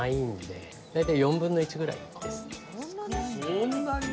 そんなに？